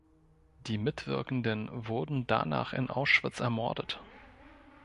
Die Mitwirkenden wurden danach in Auschwitz ermordet.